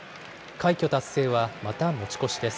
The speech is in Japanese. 快挙達成はまた持ち越しです。